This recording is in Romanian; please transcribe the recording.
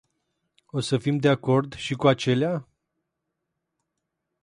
O să fim de acord și cu acelea?